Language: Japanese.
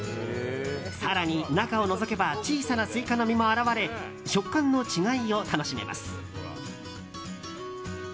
更に中をのぞけば小さなスイカの実も現れ食感の違いを楽しめます。